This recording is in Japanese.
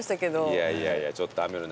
いやいやいやちょっと雨の中。